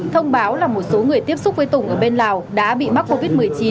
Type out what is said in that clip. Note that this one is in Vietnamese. thông báo là một số người tiếp xúc với tùng ở bên lào đã bị mắc covid một mươi chín